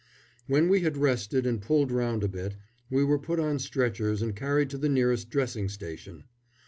When we had rested and pulled round a bit, we were put on stretchers and carried to the nearest dressing station.